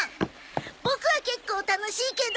ボクは結構楽しいけど。